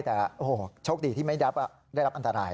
แต่โอ้โหโชคดีที่ไม่ดับได้รับอันตราย